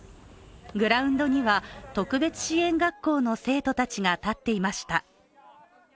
グラウンドには特別支援学校の生徒たちが立っていました。